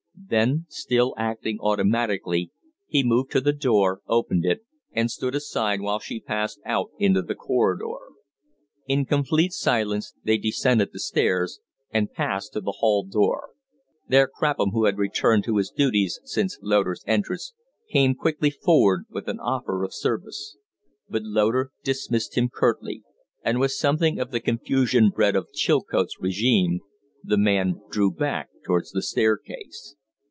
Then, still acting automatically, he moved to the door, opened it, and stood aside while she passed out into the corridor. In complete silence they descended the stairs and passed to the hall door. There Crapham, who had returned to his duties since Loder's entrance, came quickly forward with an offer of service. But Loder dismissed him curtly; and with something of the confusion bred of Chilcote's regime, the man drew back towards the staircase.